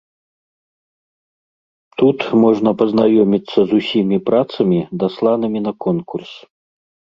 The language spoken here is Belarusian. Тут можна пазнаёміцца з усімі працамі, дасланымі на конкурс.